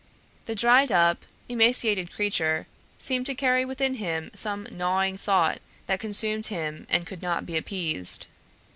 The dried up, emaciated creature seemed to carry within him some gnawing thought that consumed him and could not be appeased.